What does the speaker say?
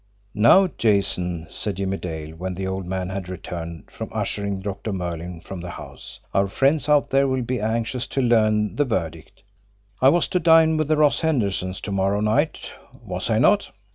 "Now, Jason," said Jimmie Dale, when the old man had returned from ushering Doctor Merlin from the house, "our friends out there will be anxious to learn the verdict. I was to dine with the Ross Hendersons to morrow night, was I not?"